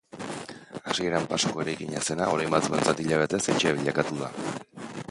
Hasieran pasoko eraikina zena orain batzuentzat hilabetez etxea bilakatu da.